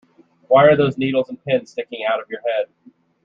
Why are those needles and pins sticking out of your head?